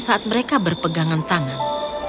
saat mereka berpegangan tangan